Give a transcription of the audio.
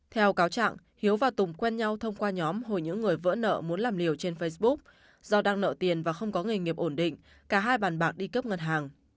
theo cáo trạng hiếu và tùng quen nhau thông qua nhóm hồi những người vỡ nợ muốn làm liều trên facebook do đang nợ tiền và không có nghề nghiệp ổn định cả hai bàn bạc đi cướp ngân hàng